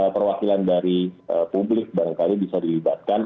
perwakilan dari publik barangkali bisa dilibatkan